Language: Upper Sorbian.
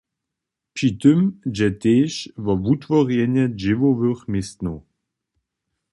Při tym dźe tež wo wutworjenje dźěłowych městnow.